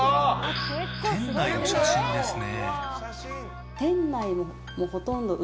店内の写真ですね。